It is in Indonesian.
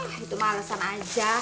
ah itu malesan aja